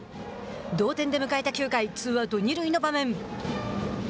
同点で迎えた９回ツーアウト、二塁の場面。